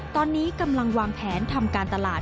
ตอนนี้กำลังวางแผนทำการตลาด